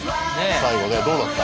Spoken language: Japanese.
最後ねどうなった？